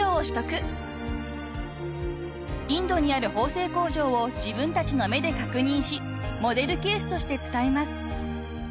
［インドにある縫製工場を自分たちの目で確認しモデルケースとして伝えます］